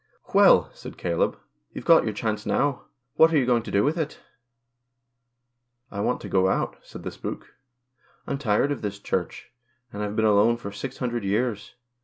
"Well," said Caleb, "you've got your chance now. What are you going to do with it?" "I want to go out," said the spook, "I'm tired of this Church, and I've been alone for six hundred years.